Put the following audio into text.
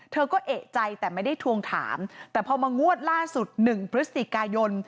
เธอก็เอกใจแต่ไม่ได้ทวงถามแต่พอมางวดล่าสุด๑พฤศจิกายน